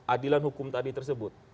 adilan hukum tadi tersebut